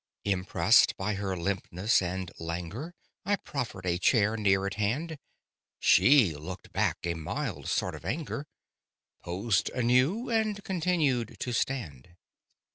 Impressed by her limpness and languor, I proffered a chair near at hand; She looked back a mild sort of anger— Posed anew, and continued to stand.